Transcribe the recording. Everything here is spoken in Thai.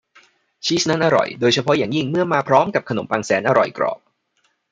ชีสนั้นอร่อยโดยเฉพาะอย่างยิ่งเมื่อมาพร้อมกับขนมปังแสนอร่อยกรอบ